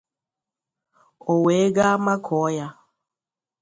o wee gaa makụọ ya